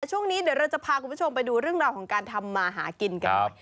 ช่วงนี้เดี๋ยวเราจะพาคุณผู้ชมไปดูเรื่องราวของการทำมาหากินกันหน่อย